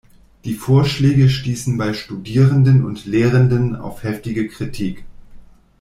Die Vorschläge stießen bei Studierenden und Lehrenden auf heftige Kritik.